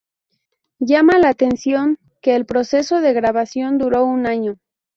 Llama la atención que el proceso de grabación duró un año.